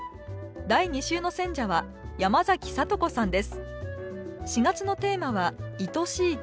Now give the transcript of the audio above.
第２週の選者は山崎聡子さんです